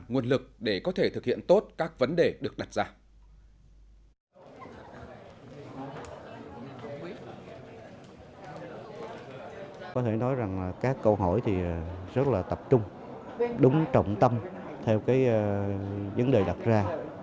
nguồn lực để có thể thực hiện tốt các vấn đề được đặt ra